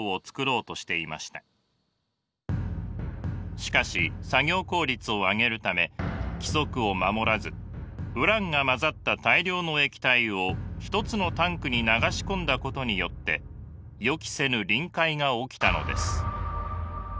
しかし作業効率を上げるため規則を守らずウランが混ざった大量の液体を１つのタンクに流し込んだことによって予期せぬ臨界が起きたのです。